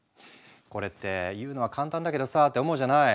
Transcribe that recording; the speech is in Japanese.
これって言うのは簡単だけどさって思うじゃない？